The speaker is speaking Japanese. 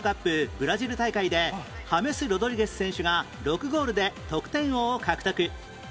ブラジル大会でハメス・ロドリゲス選手が６ゴールで得点王を獲得